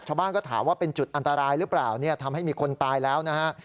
ชาวบ้านก็ถามว่าเป็นจุดอันตรายหรือเปล่าเนี่ยทำให้มีคนตายแล้วนะฮะ